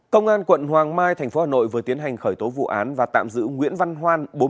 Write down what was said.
công an quận hoàng mai tp hà nội vừa tiến hành khởi tố vụ án và tạm giữ nguyễn văn hoan